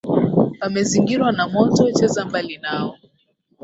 Wamezingirwa na moto, cheza mbali nao.